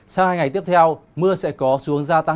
sau hai ngày tiếp theo mưa sẽ có xuống gia tăng nhẹt